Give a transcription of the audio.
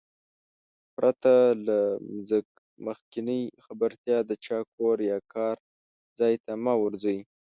پرته له مخکينۍ خبرتيا د چا کور يا کار ځاى ته مه ورځٸ.